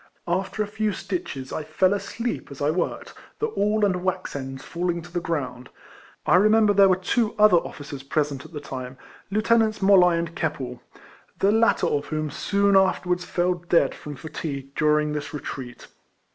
After a few stitches, I fell asleep as I worked, the awl and wax ends falling to the ground. I remember there were two other officers present at the time, Lieutenants MoUoy and Keppel, the latter of whom soon afterwards fell dead from fatigue during this retreat.